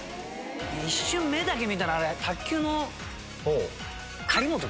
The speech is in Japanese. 一瞬目だけ見たら卓球の。